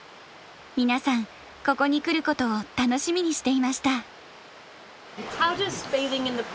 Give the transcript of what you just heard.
皆さんここに来ることを楽しみにしていました。